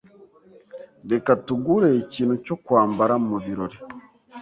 Reka tugure ikintu cyo kwambara mubirori.